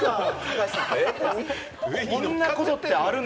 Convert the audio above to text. こんなことってある？